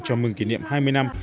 chào mừng kỷ niệm hai mươi năm